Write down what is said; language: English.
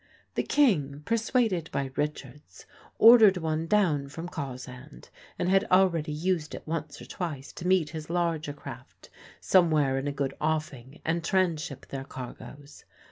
The King, persuaded by Richards, ordered one down from Cawsand, and had already used it once or twice to meet his larger craft somewhere in a good offing and tranship their cargoes.